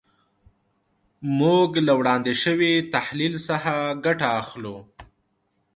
موږ له وړاندې شوي تحلیل څخه ګټه اخلو.